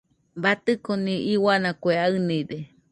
Batɨconi iuana kue aɨnide.